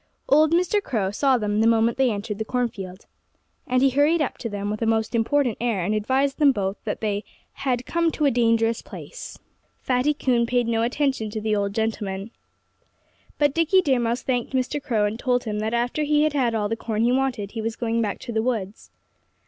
Old Mr. Crow saw them the moment they entered the cornfield. And he hurried up to them with a most important air and advised them both that they "had come to a dangerous place." [Illustration: "Where's Dickie Deer Mouse?"] Fatty Coon paid no attention to the old gentleman. But Dickie Deer Mouse thanked Mr. Crow and told him that after he had had all the corn he wanted he was going back to the woods.